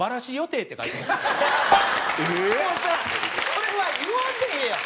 それは言わんでええやん。